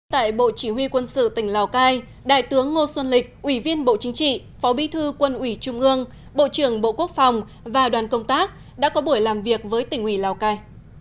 tại bộ chỉ huy quân sự tỉnh lào cai đại tướng ngô xuân lịch ủy viên bộ chính trị phó bí thư quân ủy trung ương bộ trưởng bộ quốc phòng và đoàn công tác đã có buổi làm việc với tỉnh ủy lào cai